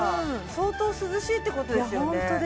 相当涼しいってことですよね